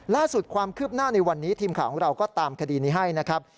ล่าสุดความคืบหน้าในวันนี้ทีมข่าวของเราก็ตามคดีนี้ให้นะครับ